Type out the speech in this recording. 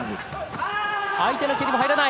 相手の蹴りも入らない